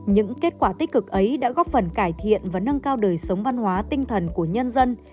những kết quả tích cực ấy đã góp phần cải thiện và nâng cao đời sống văn hóa tinh thần của nhân dân